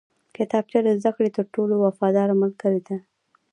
کتابچه د زده کړې تر ټولو وفاداره ملګرې ده